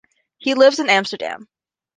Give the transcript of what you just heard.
He lives in Amsterdam.